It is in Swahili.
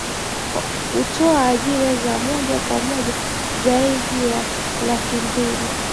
Hutoa ajira za moja kwa moja zaidi ya laki mbili